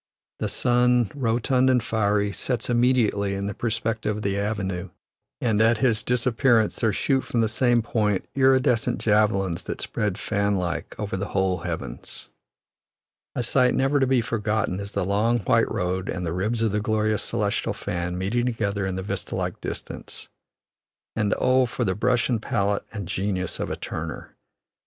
The sun, rotund and fiery, sets immediately in the perspective of the avenue; and at his disappearance there shoot from the same point iridescent javelins that spread, fan like, over the whole heavens. A sight never to be forgotten is the long white road and the ribs of the glorious celestial fan meeting together in the vista like distance; and oh, for the brush and palette and genius of a Turner!